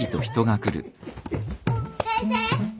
先生。